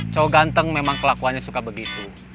cowok ganteng memang kelakuannya suka begitu